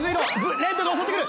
レッドが襲ってくる！